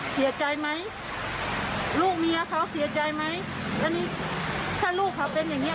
เสียใจไหมลูกเมียเขาเสียใจไหมแล้วนี่ถ้าลูกเขาเป็นอย่างเงี้